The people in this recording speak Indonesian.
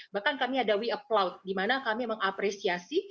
bahkan kami ada we applaud di mana kami mengapresiasi